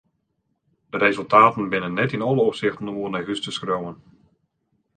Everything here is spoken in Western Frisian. De resultaten binne net yn alle opsichten om oer nei hús te skriuwen.